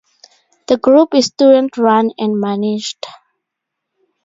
The group is student run and managed.